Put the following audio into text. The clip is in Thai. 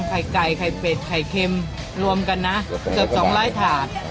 ไข่ไก่ไข่เป็ดไข่เค็มรวมกันนะเกือบ๒๐๐ถาด